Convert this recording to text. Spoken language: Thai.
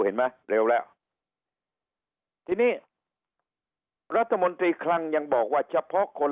เห็นไหมเร็วแล้วทีนี้รัฐมนตรีคลังยังบอกว่าเฉพาะคน